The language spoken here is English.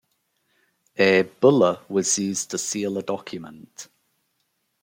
A bulla was used to seal a document.